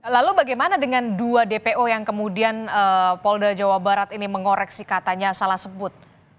lalu bagaimana dengan dua dpo yang kemudian polda jawa barat ini mengoreksi katanya salah sebut